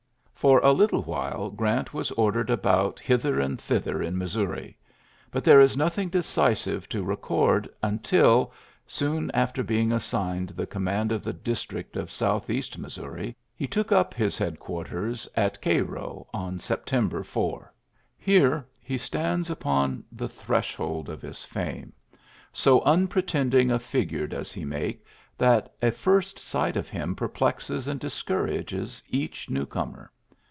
For a little while Grant was ordered about hither and thither in Missouri; but there is nothing decisive to record until; soon after being assigned the com mand of the district of South east Mis souri; he took up his headquarters at Cairo on September 4. Here he stands upon the threshold of his fame. So unpretending a figure does he make that a first sight of him perplexes and discourages each new comer.